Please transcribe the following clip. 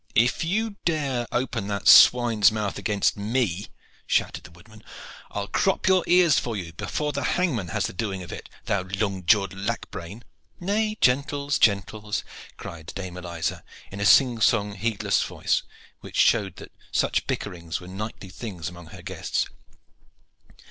"If you dare open that swine's mouth against me," shouted the woodman, "I'll crop your ears for you before the hangman has the doing of it, thou long jawed lackbrain." "Nay, gentles, gentles!" cried Dame Eliza, in a singsong heedless voice, which showed that such bickerings were nightly things among her guests.